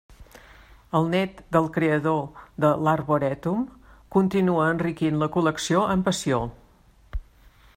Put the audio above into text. El nét del creador de l'arborètum continua enriquint la col·lecció amb passió.